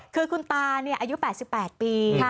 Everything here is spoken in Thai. คือคุณตาเนี่ยอายุ๘๘ปี